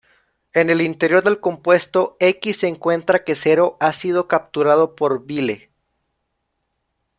En el interior del compuesto, X encuentra que Zero ha sido capturado por Vile.